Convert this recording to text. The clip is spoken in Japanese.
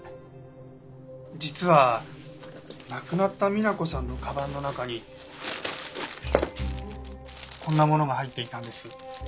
実は亡くなった美那子さんのかばんの中にこんなものが入っていたんです。